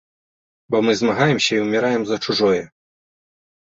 Бо мы змагаемся і ўміраем за чужое.